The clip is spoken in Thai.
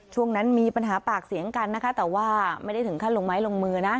ช่วงนั้นมีปัญหาปากเสียงกันนะคะแต่ว่าไม่ได้ถึงขั้นลงไม้ลงมือนะ